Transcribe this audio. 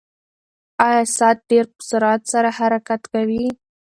ایا ساعت ډېر په سرعت سره حرکت کوي؟